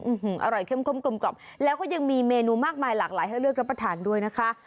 อร่อยเข้มข้นกลมกล่อมแล้วก็ยังมีเมนูมากมายหลากหลายให้เลือกรับประทานด้วยนะคะ